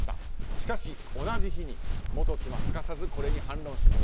しかし、同じ日に元妻、すかさずこれに反論します。